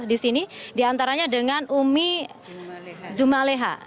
di sini diantaranya dengan umi zumaleha